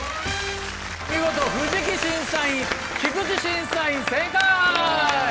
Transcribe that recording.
見事藤木審査員菊池審査員正解！